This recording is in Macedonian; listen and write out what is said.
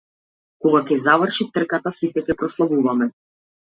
Кога ќе заврши трката сите ќе прославуваме.